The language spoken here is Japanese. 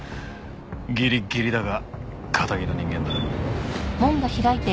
ギリッギリだがカタギの人間だ。